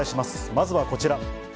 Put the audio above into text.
まずはこちら。